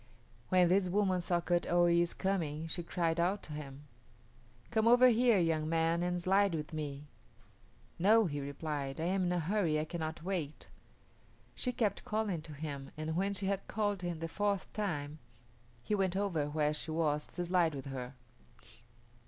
When this woman saw Kut o yis´ coming she cried out to him, "Come over here, young man, and slide with me." "No," he replied, "I am in a hurry; I cannot wait." She kept calling to him, and when she had called him the fourth time he went over where he was to slide with her.